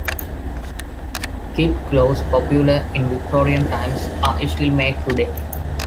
Kid gloves, popular in Victorian times, are still made today.